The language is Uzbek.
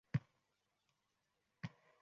Mendan o'tdi.